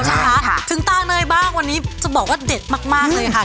นะคะถึงตาเนยบ้างวันนี้จะบอกว่าเด็ดมากเลยค่ะ